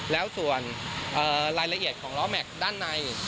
แล้วส่วนรายละเอียดของล้อแม็กซ์ด้านใน